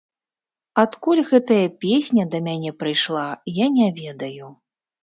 Адкуль гэтая песня да мяне прыйшла, я не ведаю.